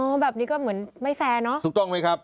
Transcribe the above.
แบบนี้ก็เหมือนไม่แฟร์เนอะถูกต้องไหมครับ